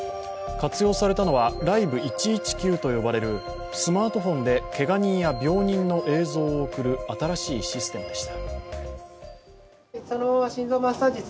活用されたのはＬｉｖｅ１１９と呼ばれるスマートフォンでけが人や病人の映像を送る新しいシステムでした。